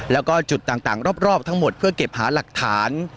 แล้วก็จุดต่างรอบทั้งหมดเพื่อเก็บหาหลักฐาน